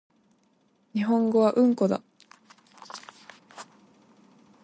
日本語はうんこだ